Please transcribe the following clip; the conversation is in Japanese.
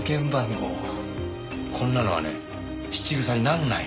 こんなのはね質草にならないの！